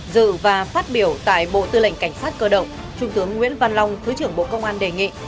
dự và phát biểu tại bộ tư lệnh cảnh sát cơ động trung tướng nguyễn văn long thứ trưởng bộ công an đề nghị